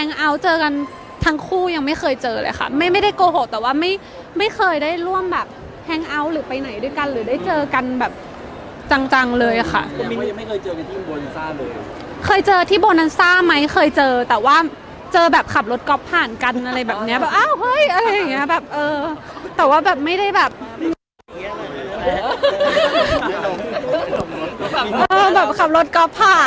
น่าน่าน่าน่าน่าน่าน่าน่าน่าน่าน่าน่าน่าน่าน่าน่าน่าน่าน่าน่าน่าน่าน่าน่าน่าน่าน่าน่าน่าน่าน่าน่าน่าน่าน่าน่าน่า